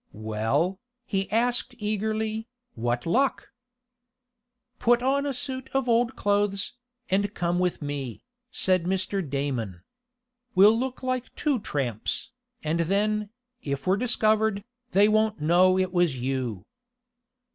"Well," he asked eagerly, "what luck?" "Put on a suit of old clothes, and come with me," said Mr. Damon. "We'll look like two tramps, and then, if we're discovered, they won't know it was you."